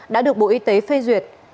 đã được bộ y tế phê duyệt